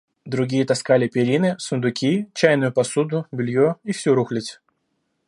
Другие таскали перины, сундуки, чайную посуду, белье и всю рухлядь.